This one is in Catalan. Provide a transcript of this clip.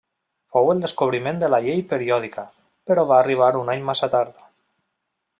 Fou el descobriment de la llei periòdica, però va arribar un any massa tard.